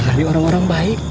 tadi orang orang baik